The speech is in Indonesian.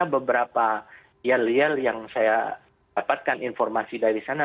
beberapa yel yel yang saya dapatkan informasi dari sana